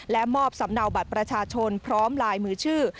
และมอบสำเนาบัตรประชาชนพร้อมลายมือชื่อ